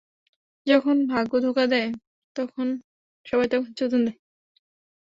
যখন ভাগ্য ধোকা দেয়, সবাই তখন চোদন দেয়।